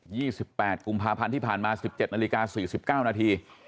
ี่สิบแปดกุมภาพันธ์ที่ผ่านมาสิบเจ็ดนาฬิกาสี่สิบเก้านาที